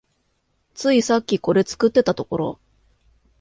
ついさっきこれ作ってたところ